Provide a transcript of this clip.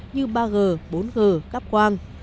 như ba g bốn g các quang